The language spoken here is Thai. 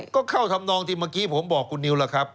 ก็เข้าทำนองที่เมื่อกี้ผมบอกคุณนิวล่ะครับ